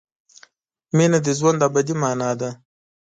مینه د ژوند ابدي مانا ده.